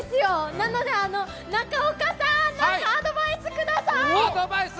なので、中岡さん、なんかアドバイスください。アドバイス？